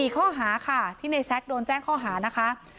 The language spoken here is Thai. ๔ข้อหาค่ะที่ในแซ็กโดนแจ้งข้อหานะคะ